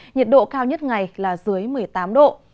nhiệt độ cao nhất ngày là dưới một mươi tám độ